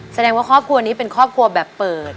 แสดงว่าครอบครัวนี้เป็นครอบครัวแบบเปิด